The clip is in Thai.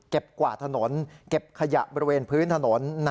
กวาดถนนเก็บขยะบริเวณพื้นถนน